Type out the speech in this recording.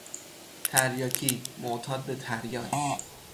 تریاکی، معتاد به تریاک